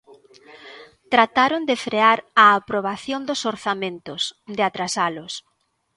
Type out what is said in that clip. Trataron de frear a aprobación dos orzamentos, de atrasalos.